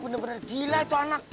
bener bener gila itu anak